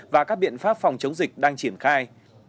và các biện pháp phòng chống dịch đang triển khai